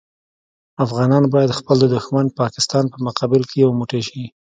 افغانان باید خپل د دوښمن پاکستان په مقابل کې یو موټی شي.